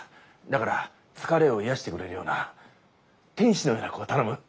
だから疲れを癒やしてくれるような天使のような子を頼む。